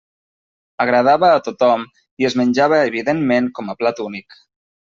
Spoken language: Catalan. Agradava a tothom i es menjava evidentment com a plat únic.